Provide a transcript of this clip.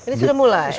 ini sudah mulai